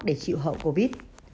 để chịu hậu covid